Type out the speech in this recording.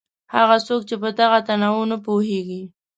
هغه څوک چې په دغه تنوع نه پوهېږي.